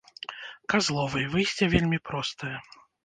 Казловай, выйсце вельмі простае.